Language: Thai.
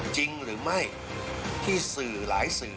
จริงหรือไม่ที่สื่อหลายสื่อ